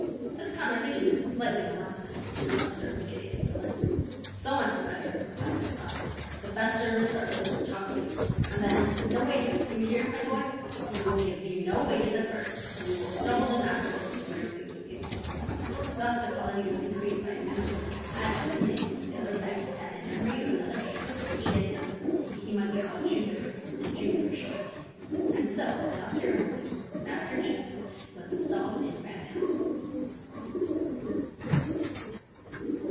"This conversation is slightly monotonous," observed Gideon Spilett. "So much the better," replied Pencroft; "the best servants are those who talk the least. And then, no wages, do you hear, my boy? We will give you no wages at first, but we will double them afterwards if we are pleased with you." Thus the colony was increased by a new member. As to his name the sailor begged that in memory of another ape which he had known, he might be called Jupiter, and Jup for short. And so, without more ceremony, Master Jup was installed in Granite House.